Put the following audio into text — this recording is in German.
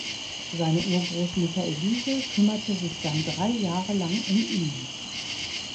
Seine Urgroßmutter Elise kümmerte sich dann drei Jahre lang um ihn.